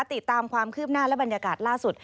ติดตามความคืบหน้าและบรรยากาศล่าสุด